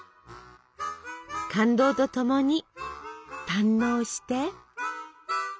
感動とともに堪能して！